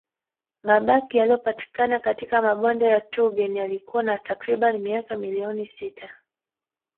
Mabaki yaliyopatikana katika mabonde ya Tugen yaliyokuwa na takriban miaka milioni sita